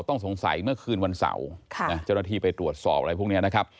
ต้องสงสัยเมื่อคืนวันเสาร์เจ้าหน้าที่ไปตรวจสอบอะไรพวกนี้นะครับ